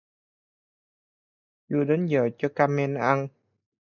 chưa đến giờ cho Kamen ăn